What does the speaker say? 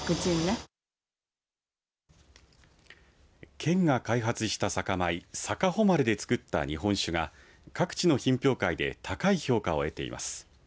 県が開発した酒米さかほまれでつくった日本酒が各地の品評会で高い評価を得ています。